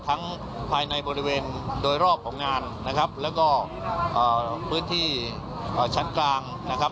ภายในบริเวณโดยรอบของงานนะครับแล้วก็พื้นที่ชั้นกลางนะครับ